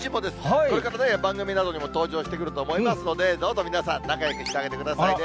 これから番組などにも登場してくると思いますので、どうぞ皆さん、仲よくしてあげてくださいね。